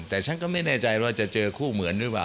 แต่ฉันก็ไม่แน่ใจว่าจะเจอคู่เหมือนหรือเปล่า